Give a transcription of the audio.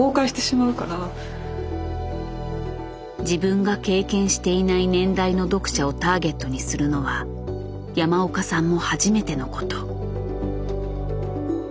自分が経験していない年代の読者をターゲットにするのは山岡さんも初めてのこと。